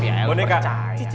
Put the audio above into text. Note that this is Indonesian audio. eh jangan kok gue pukul aja